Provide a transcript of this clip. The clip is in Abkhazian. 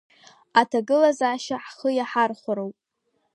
Аҭагылазаашьа ҳхы иаҳархәароуп…